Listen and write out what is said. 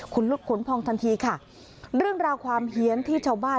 คุณขุนพองทันทีค่ะเรื่องราวความเฮียนที่ชาวบ้าน